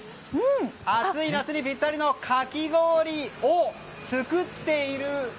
暑い夏にぴったりなかき氷を作っている。